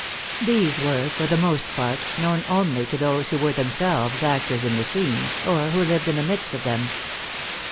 These were, for the most part, known only to those who were themselves actors in the scenes, or who lived in the midst of them.